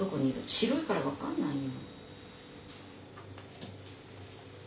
白いから分かんないよ。